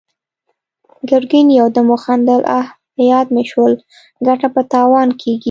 ګرګين يودم وخندل: اه! په ياد مې شول، ګټه په تاوان کېږي!